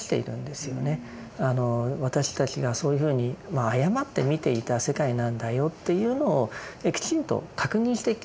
私たちがそういうふうに誤って見ていた世界なんだよというのをきちんと確認していきなさいと。